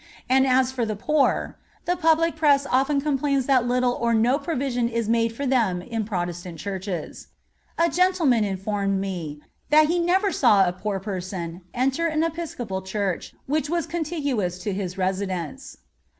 And as for the poor, the public press often complains that little or no provision is made for them in Protestant Churches. A gentleman informed me that he never saw a poor person enter an Episcopal Church which was contiguous to his residence.